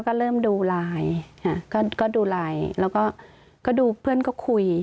ก็เริ่มดูไลน์ค่ะก็ดูไลน์แล้วก็ดูเพื่อนก็คุย